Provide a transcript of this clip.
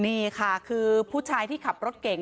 นี่ค่ะคือผู้ชายที่ขับรถเก่ง